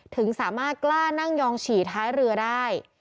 ถึงสามารถกล้านั่งยองฉี่ท้ายเรือได้